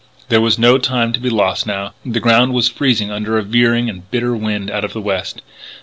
There was no time to be lost now; the ground was freezing under a veering and bitter wind out of the west.